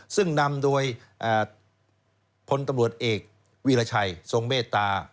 ซึ่งนำโดยพลตำรวจเอกวีรชัยทรงเมตตา